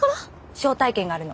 招待券があるの。